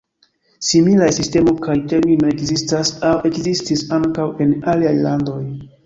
Similaj sistemo kaj termino ekzistas aŭ ekzistis ankaŭ en aliaj landoj.